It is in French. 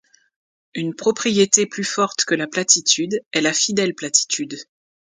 Une propriété plus forte que la platitude est la fidèle platitude.